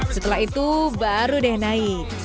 setelah itu baru deh naik